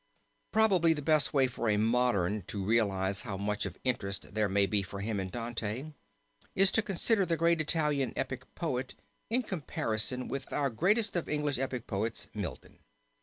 Probably the best way for a modern to realize how much of interest there may be for him in Dante is to consider the great Italian epic poet in comparison with our greatest of English epic poets, Milton.